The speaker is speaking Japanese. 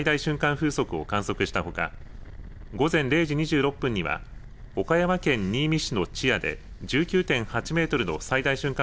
風速を観測したほか、午前０時２６分には岡山県新見市千屋で１９．８メートルの最大瞬間